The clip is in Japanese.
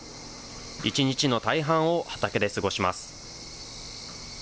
１日の大半を畑で過ごします。